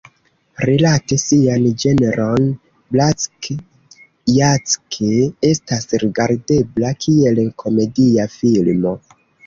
Rilate sian ĝenron, "Black Jack" estas rigardebla kiel komedia filmo.